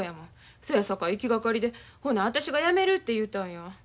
そやさかい行きがかりで「ほな私がやめる」て言うたんや。